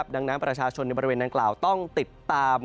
ดังนั้นประชาชนในบริเวณดังกล่าวต้องติดตาม